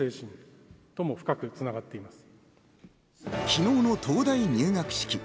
昨日の東大入学式。